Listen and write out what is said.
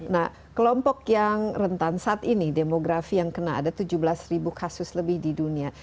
nah kelompok yang rentan saat ini demografi yang kena ada tujuh belas ribu kasus lebih di dunia